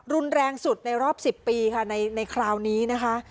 รุนแรงสุดในรอบ๑๐ปีค่ะในคราวนี้นะคะ